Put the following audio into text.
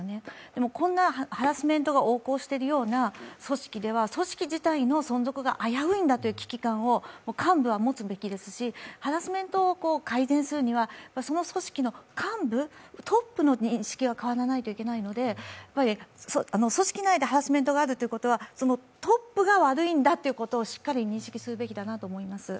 でも、こんなハラスメントが横行しているような組織では組織自体の存続が危ういんだという危機感を幹部は持つべきですしハラスメントを改善するにはその組織の幹部トップの認識が変わらないといけないので、組織内でハラスメントがあるということはそのトップが悪いんだということをしっかり認識すべきだと思います。